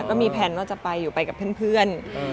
ก็มีแพลนว่าจะไปอยู่ไปกับเพื่อน